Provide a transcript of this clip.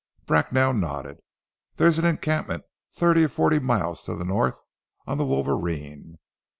Bracknell nodded. "There's an encampment thirty or forty miles to the North on the Wolverine.